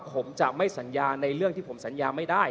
ผมจะไม่สัญญาในเรื่องที่ผมสัญญาไม่ได้